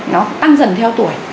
nó tăng dần theo tuổi